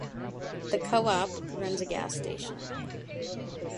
The co-op runs a gas station.